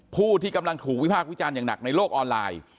ผู้ที่กำลังถูกวิพากษ์วิจารณ์อย่างหนักในโลกออนไลน์